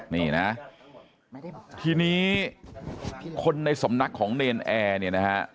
นี่นะทีนี้คนในสำนักของเนรนแอร์เนี่ยนะฮะ